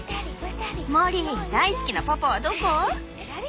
モリー大好きなパパはどこ？